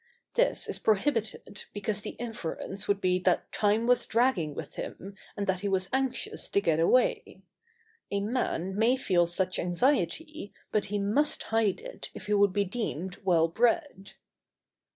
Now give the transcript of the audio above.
This is prohibited because the inference would be that time was dragging with him and that he was anxious to get away. A man may feel such anxiety, but he must hide it if he would be deemed well bred.